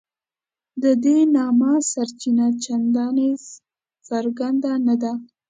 د دې نامه سرچینه چنداني څرګنده نه ده.